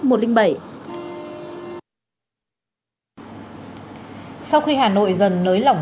sau khi hà nội dần nới lỏng